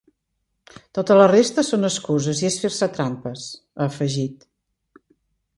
Tota la resta són excuses i és fer-se trampes, ha afegit.